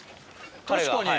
確かに。